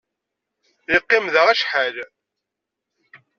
Yeqqim da acḥal.